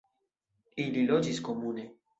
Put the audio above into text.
Ili loĝis komune.